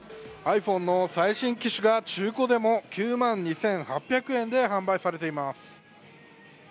ｉＰｈｏｎｅの最新機種が中古でも９万２８００円で販売されています。